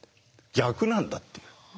逆なんだっていう。